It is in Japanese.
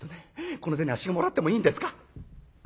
この銭あっしがもらってもいいんですか？